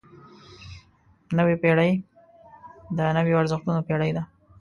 نوې پېړۍ د نویو ارزښتونو پېړۍ ده.